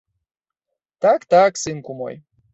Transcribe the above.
Так, так, сынку мой!